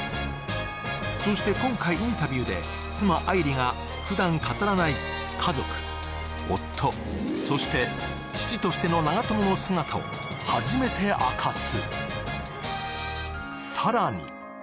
そして今回インタビューで妻・愛梨がふだん、語らない家族、夫、そして父としての長友の姿を初めて明かす。